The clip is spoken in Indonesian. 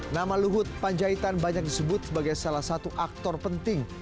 nama luhut panjaitan banyak disebut sebagai salah satu aktor penting